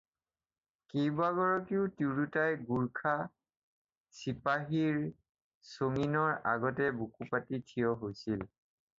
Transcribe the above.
কেবাগৰাকীও তিৰোতাই গুৰ্খা চিপাহীৰ চঙীনৰ আগতে বুকুপাতি থিয় হৈছিল।